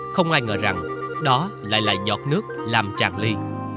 không ai ngờ rằng đó lại là giọt nước làm tràn ly